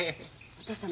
お義父様